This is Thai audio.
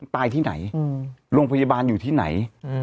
ตายที่ไหนโรงพยาบาลอยู่ที่ไหน